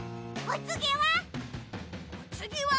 おつぎは。